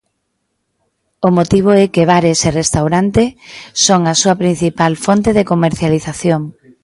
O motivo é que bares e restaurante son a súa principal fonte de comercialización.